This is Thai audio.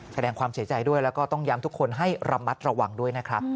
แสดงความเสียใจด้วยแล้วก็ต้องย้ำทุกคนให้ระมัดระวังด้วยนะครับ